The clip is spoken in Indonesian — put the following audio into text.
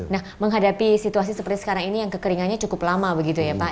nah menghadapi situasi seperti sekarang ini yang kekeringannya cukup lama begitu ya pak